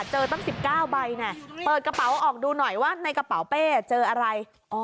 เจอตั้งสิบเก้าใบน่ะเปิดกระเป๋าออกดูหน่อยว่าในกระเป๋าเป้เจออะไร